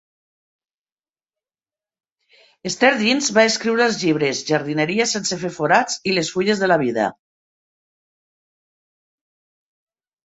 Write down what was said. Esther Deans va escriure els llibres "Jardineria sense fer forats" i "Les fulles de la vida".